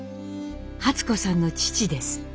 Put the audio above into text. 初子さんの父です。